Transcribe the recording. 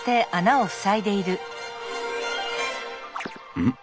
うん？